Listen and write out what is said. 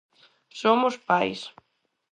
Somos pais.